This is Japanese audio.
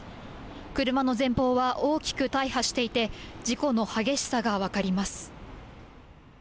車の前方は大きく大破していて、事故の激しさが分かります。